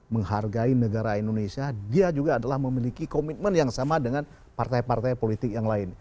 menghargai negara indonesia dia juga adalah memiliki komitmen yang sama dengan partai partai politik yang lain